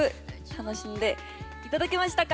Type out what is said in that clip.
楽しんでいただけましたか？